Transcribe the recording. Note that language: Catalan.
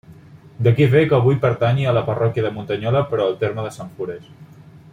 D'aquí ve que avui pertanyi a la parròquia de Muntanyola però al terme de Sentfores.